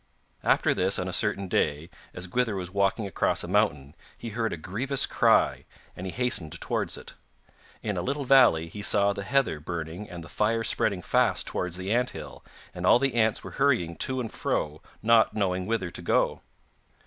After this, on a certain day, as Gwythyr was walking across a mountain he heard a grievous cry, and he hastened towards it. In a little valley he saw the heather burning and the fire spreading fast towards the anthill, and all the ants were hurrying to and fro, not knowing whither to go.